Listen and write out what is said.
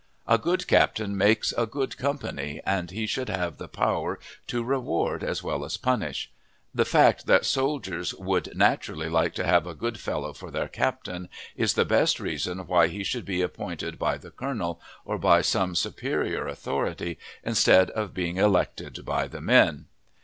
A good captain makes a good company, and he should have the power to reward as well as punish. The fact that soldiers world naturally like to have a good fellow for their captain is the best reason why he should be appointed by the colonel, or by some superior authority, instead of being elected by the men.